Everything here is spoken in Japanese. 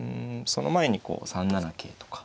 その前にこう３七桂とか。